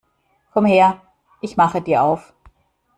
Komm her, ich mache dir auf!